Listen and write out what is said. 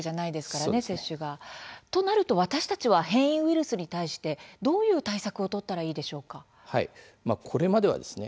そうなると私たちは変異ウイルスに対してどういった対策を取ったらいいでしょうか。